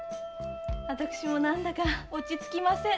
私も何だか落ち着きません。